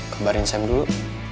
kebariin sam dulu